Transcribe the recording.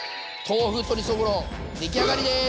豆腐鶏そぼろ出来上がりです！